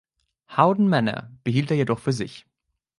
Howden Manor behielt er jedoch für sich.